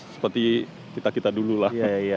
seperti kita kita dulu lah